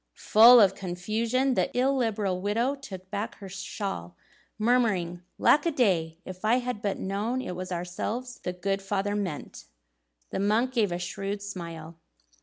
Full of confusion, the illiberal widow took back her shawl, murmuring, "Lack a day! If I had but known it was ourselves the good father meant!" The monk gave a shrewd smile.